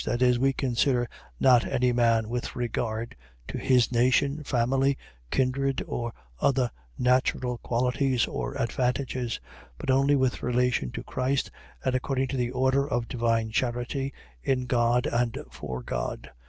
. .That is, we consider not any man with regard to his nation, family, kindred, or other natural qualities or advantages; but only with relation to Christ, and according to the order of divine charity, in God, and for God.